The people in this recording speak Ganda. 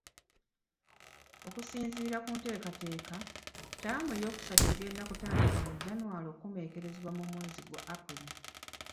Okusinziira ku nteekateeka, ttaamu eyookusatu egenda kutandika mu Janwali ekomekerezebwa mu mwezi gwa Apuli.